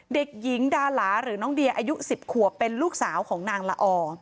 เด็กหญิงดาหลาหรือน้องเดียอายุ๑๐ขวบเป็นลูกสาวของนางละอ